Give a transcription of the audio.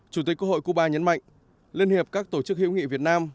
chủ tịch quốc hội cuba nhấn mạnh liên hiệp các tổ chức hữu nghị việt nam